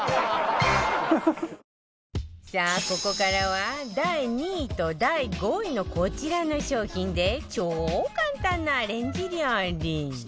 さあここからは第２位と第５位のこちらの商品で超簡単なアレンジ料理